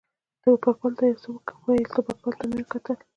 ټوپکوال ته یې یو څه وویل، ټوپکوال ته مې کتل.